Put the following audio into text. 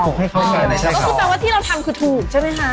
ก็คือแปลว่าที่เราทำคือถูกใช่ไหมคะ